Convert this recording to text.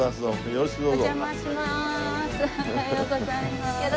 よろしくお願いします！